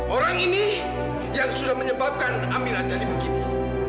orang ini yang sudah menyebabkan amila jadi begini